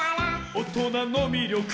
「おとなのみりょく」